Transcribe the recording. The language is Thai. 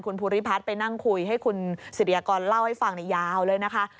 คุณภูริพัฒน์ไปนั่งคุยให้คุณศิริยากรเล่าให้ฟังในยาวเลยนะคะ